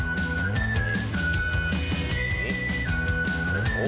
โอ้โห